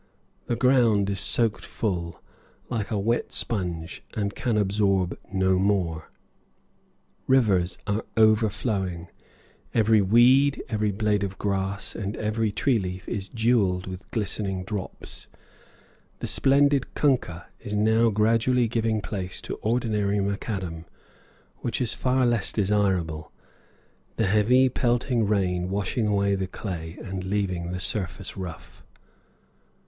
The ground is soaked full, like a wet sponge, and can absorb no more; rivers are overflowing, every weed, every blade of grass, and every tree leaf is jewelled with glistening drops. The splendid kunkah is now gradually giving place to ordinary macadam, which is far less desirable, the heavy, pelting rain washing away the clay and leaving the surface rough.